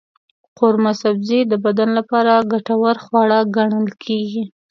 قورمه سبزي د بدن لپاره ګټور خواړه ګڼل کېږي.